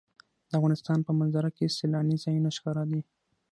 د افغانستان په منظره کې سیلاني ځایونه ښکاره دي.